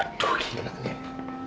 aduh ini lagi